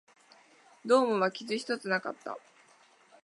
ドームは傷一つなかった